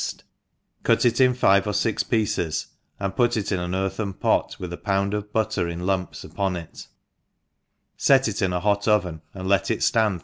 294 THE EXPERIENCED tgftc, cut it in five or fix pieces, and put it ia an earthen pot, with a pound of butter in lunips upon it, fet if in an hot; oven, and let it ftand.